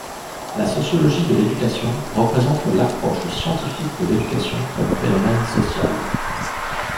La sociologie de l’éducation représente l’approche scientifique de l’éducation comme phénomène social.